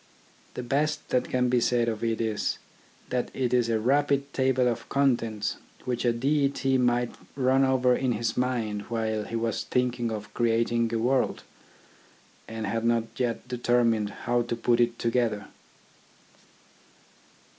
The best that can be said of it is, that it is a rapid table of contents which a deity might run over in his mind while he was thinking of creating a world, and had not yet determined how to put it together.